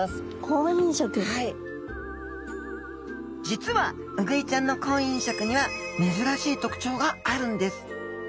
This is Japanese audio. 実はウグイちゃんの婚姻色には珍しい特徴があるんです。